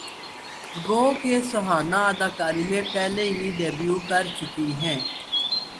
گوکہ سہانا اداکاری میں پہلے ہی ڈیبیو کرچکی ہیں